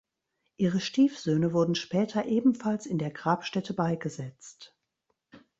Ihre Stiefsöhne wurden später ebenfalls in der Grabstätte beigesetzt.